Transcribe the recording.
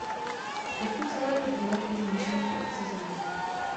Osu celého díla tvoří myšlenky odcizení.